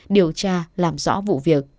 điều tra làm rõ vụ việc